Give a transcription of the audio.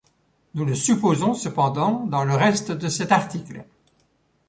Nous le supposons cependant dans le reste de cet article.